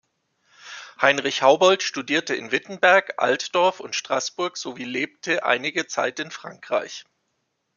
Heinrich Haubold studierte in Wittenberg, Altdorf und Straßburg sowie lebte einige Zeit in Frankreich.